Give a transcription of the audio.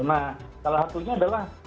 nah salah satunya adalah yang lain